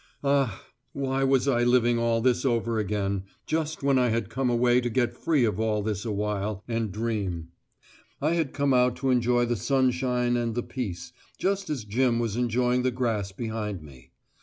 Ah! Why was I living all this over again, just when I had come away to get free of all this awhile, and dream? I had come out to enjoy the sunshine and the peace, just as Jim was enjoying the grass behind me.